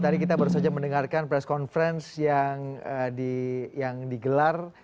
tadi kita baru saja mendengarkan press conference yang digelar